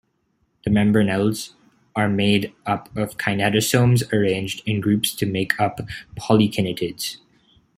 The membranelles are made up of kinetosomes arranged in groups to make up "polykinetids".